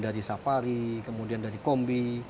dari safari kemudian dari kombi